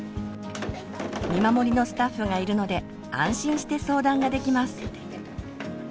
見守りのスタッフがいるので安心して相談ができます。